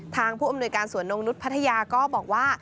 ผู้อำนวยการสวนนงนุษย์พัทยาก็บอกว่า